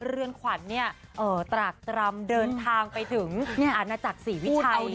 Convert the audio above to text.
เรือนขวัญตรากตรำเดินทางไปถึงอาณาจักรศรีวิชัย